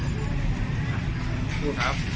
รุ่น๓พฤศนียตรแปลงเมคัน๒๑๐๐๐บาท